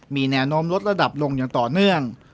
มีแนวโน้มลดระดับลงอย่างต่อเนื่อง